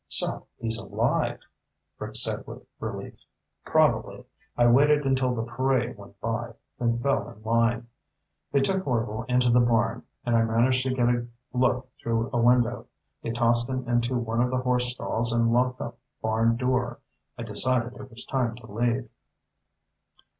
"So he's alive," Rick said with relief. "Probably. I waited until the parade went by, then fell in line. They took Orvil into the barn, and I managed to get a look through a window. They tossed him into one of the horse stalls and locked the barn door. I decided it was time to leave."